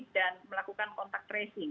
dan melakukan contact tracing